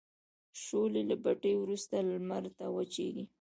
شولې له بټۍ وروسته لمر ته وچیږي.